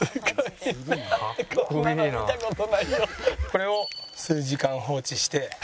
これを数時間放置して。